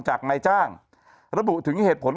จากนายจ้างระบุถึงเหตุผล